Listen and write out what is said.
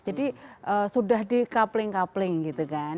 jadi sudah di coupling coupling gitu kan